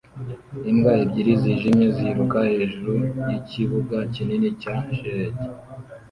Imbwa ebyiri zijimye ziruka hejuru yikibuga kinini cya shelegi